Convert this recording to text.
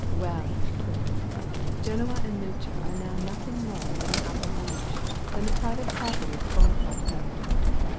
"Wkll, prince, Genoa and Lucca are now nothing more than the apanages, than the private property of the Bonaparte family.